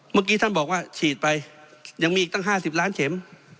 เมื่อกี้ท่านบอกว่าฉีดไปยังมีอีกตั้ง๕๐ล้านเข็ม